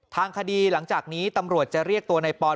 ทางคดีหลังจากนี้ตำรวจจะเรียกตัวในปอน